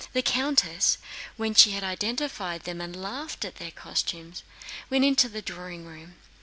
The countess, when she had identified them and laughed at their costumes, went into the drawing room.